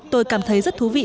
tôi cảm thấy rất thú vị